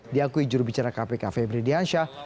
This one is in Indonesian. diakui jurubicara kpk febri diansyah